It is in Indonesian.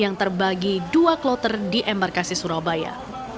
yang terbagi dua kloter di embarkasi surabaya